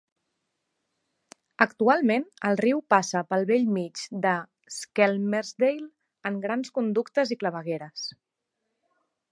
Actualment, el riu passa pel bell mig de Skelmersdale en grans conductes i clavegueres.